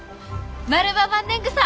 マルバマンネングサ！